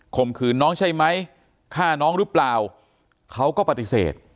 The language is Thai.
มขืนน้องใช่ไหมฆ่าน้องหรือเปล่าเขาก็ปฏิเสธ